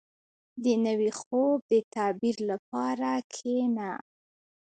• د نوي خوب د تعبیر لپاره کښېنه.